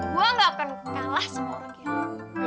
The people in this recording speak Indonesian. gue nggak pengen kalah sama orangnya